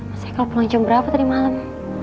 mas haikal pulang jam berapa tadi malem